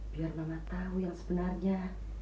biar mama tahu yang sebenarnya